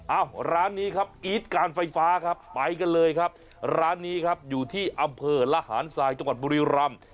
ร้านนี้ครับอีทการไฟฟ้าครับไปกันเลยครับร้านนี้ครับอยู่ที่อำเภอระหารทรายจังหวัดบุรีรำ